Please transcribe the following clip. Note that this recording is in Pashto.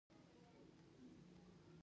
د موضوعاتو تنوع زما کار ستر کړ.